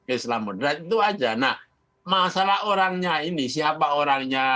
islam moderat itu aja nah masalah orangnya ini siapa orangnya